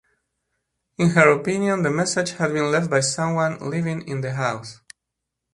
In her opinion, the message had been left by someone living in the house.